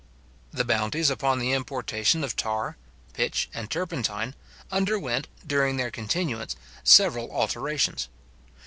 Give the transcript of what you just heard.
The bounties upon the importation of tar, pitch, and turpentine, underwent, during their continuance, several alterations.